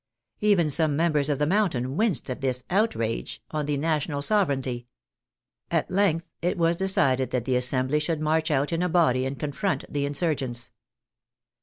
Even some members of the Mountain winced at this " outrage " on the '' national sovereignty." At length it was decided that the Assem bly should march out in a body and confront the insur gents.